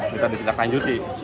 kita dikendalikan juti